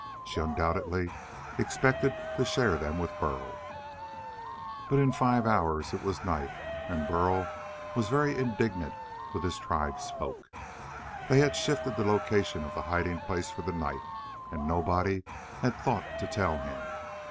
She undoubtedly expected to share them with Burl. But in five hours it was night and Burl was very indignant with his tribesfolk. They had shifted the location of the hiding place for the night, and nobody had thought to tell him.